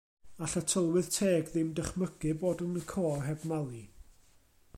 All y tylwyth teg ddim dychmygu bod yn y côr heb Mali.